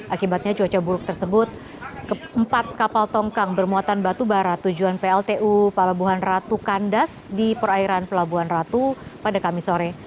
akibatnya cuaca buruk tersebut empat kapal tongkang bermuatan batu bara tujuan pltu pelabuhan ratu kandas di perairan pelabuhan ratu pada kamis sore